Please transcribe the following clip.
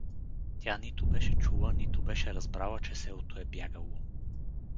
Тя нито беше чула, нито беше разбрала, че селото е бягало.